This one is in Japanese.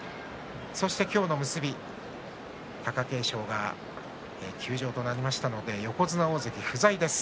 そして今日の結び貴景勝が休場となりましたので横綱大関が不在です。